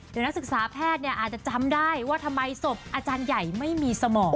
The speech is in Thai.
เดี๋ยวนักศึกษาแพทย์อาจจะจำได้ว่าทำไมศพอาจารย์ใหญ่ไม่มีสมอง